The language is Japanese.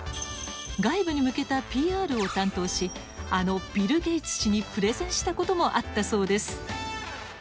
外部に向けたＰＲを担当しあのビル・ゲイツ氏にプレゼンしたこともあったそうです。